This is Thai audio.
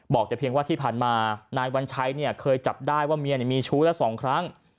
บอกแต่เพียงว่าที่ผ่านมานายวัญชัยเนี่ยเคยจับได้ว่าเมียมีชู้ละ๒ครั้ง